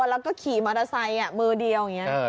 แล้วก็ขี่มอเตอร์ไซค์มือเดียวอย่างนี้